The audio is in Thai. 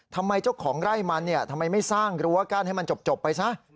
ทำไมเจ้าของไร่มันทำไมไม่สร้างรั้วกั้นให้มันจบไปซะ